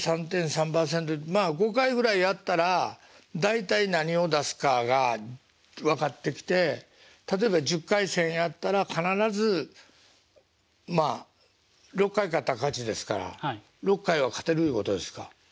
まあ５回ぐらいやったら大体何を出すかが分かってきて例えば１０回戦やったら必ずまあ６回勝ったら勝ちですから６回は勝てるいうことですか。